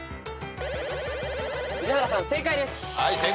宇治原さん正解です。